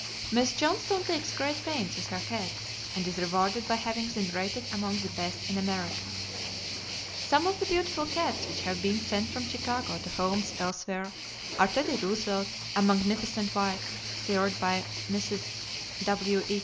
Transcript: Miss Johnstone takes great pains with her cats, and is rewarded by having them rated among the best in America. Some of the beautiful cats which have been sent from Chicago to homes elsewhere are Teddy Roosevelt, a magnificent white, sired by Mrs. W.E.